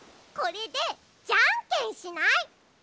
これでじゃんけんしない？